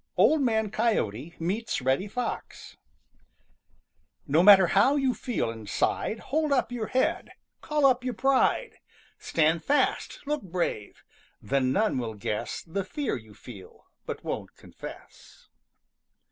OLD MAN COYOTE MEETS REDDY FOX No matter how you feel inside Hold up your head! Call up your pride! Stand fast! Look brave! Then none will guess The fear you feel, but won't confess.